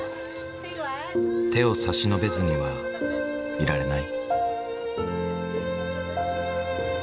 手を差し伸べずにはいられない。